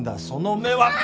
その目は。